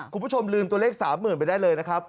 คุณผู้ชมลืมตัวเลข๓๐๐๐ไปได้เลยนะครับ